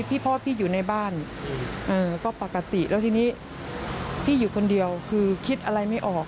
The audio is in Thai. พ่อพี่อยู่ในบ้านก็ปกติแล้วทีนี้พี่อยู่คนเดียวคือคิดอะไรไม่ออก